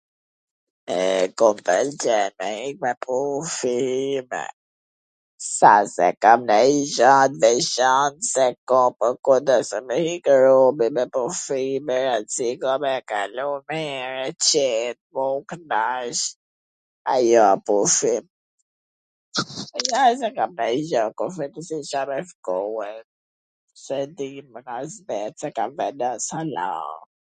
E, ku m pwlqen me ik me puushiime, s a se kam nonjw gja t veCant se kam po deshte me ik robi me pushime si ka me kalu mir e qet me u kwnaq, ai a pushim.... jo se kam dnonj gjw me shkue s e di as vet, s e kam vendos hala.